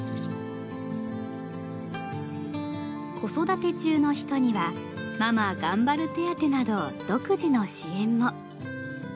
子育て中の人にはママがんばる手当など独自の支援も。